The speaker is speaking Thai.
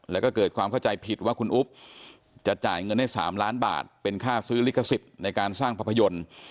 แล้วก็เกิดความเข้าใจผิดว่าคุณอุ๊บจะจ่ายเงินให้๓ล้านบาทเป็นค่าซื้อลิขสิทธิ์ในการสร้างภาพยนตร์